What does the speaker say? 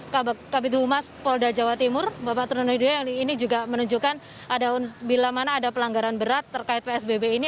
kabupaten humas polda jawa timur bapak truno yudhoyo ini juga menunjukkan bila mana ada pelanggaran berat terkait psbb ini